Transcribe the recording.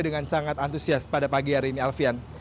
dengan sangat antusias pada pagi hari ini alfian